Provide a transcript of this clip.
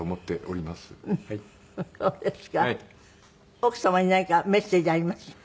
奥様に何かメッセージあります？